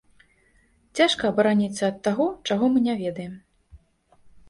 Цяжка абараніцца ад таго, чаго мы не ведаем.